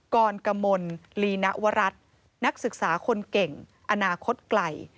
กรกมลลีณวรัฐนักศึกษาคนเก่งอนาคตไกล